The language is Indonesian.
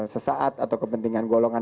sesaat atau kepentingan golongan